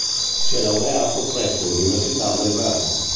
Si è laureato presso l'Università del Vermont.